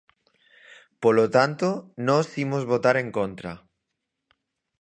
Polo tanto, nós imos votar en contra.